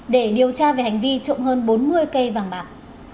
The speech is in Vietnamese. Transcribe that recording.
để điều tra về hành vi trộm hơn bốn mươi cây vàng bạc